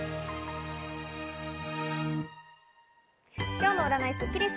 今日の占いスッキリす。